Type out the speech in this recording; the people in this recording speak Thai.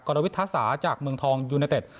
กรวิทธาษาจากเมืองทองยูเนตเต็ด